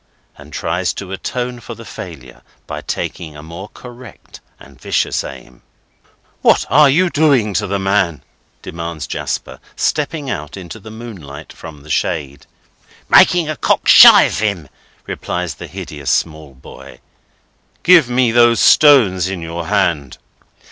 and tries to atone for the failure by taking a more correct and vicious aim. "What are you doing to the man?" demands Jasper, stepping out into the moonlight from the shade. "Making a cock shy of him," replies the hideous small boy. "Give me those stones in your hand."